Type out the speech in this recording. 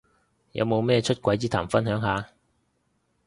有冇咩出櫃之談分享下